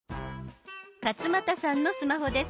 勝俣さんのスマホです。